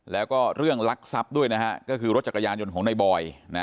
แล้วก็เรื่องลักทรัพย์ด้วยนะฮะก็คือรถจักรยานยนต์ของในบอย